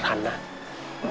sesuatu yang sederhana